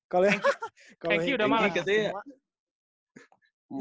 kalau hengkri udah malah gitu ya